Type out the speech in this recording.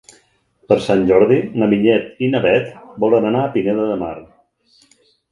Per Sant Jordi na Vinyet i na Bet volen anar a Pineda de Mar.